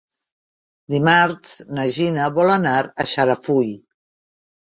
Dimarts na Gina vol anar a Xarafull.